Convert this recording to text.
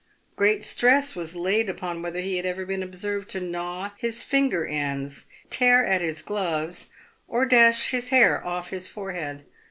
Great stress was laid upon whether he had ever been observed to gnaw his finger ends, tear at his gloves, or dash his hair off his forehead.